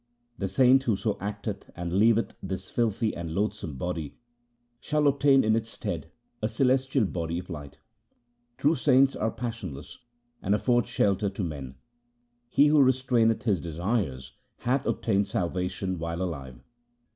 The saint who so acteth, and leaveth this filthy and loathsome body, shall obtain in its stead a celestial body of light. True saints are passionless, and afford shelter to men. He who restraineth his desires hath ob tained salvation while alive.